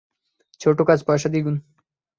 ছোট কাজ, পয়সা দ্বিগুণ।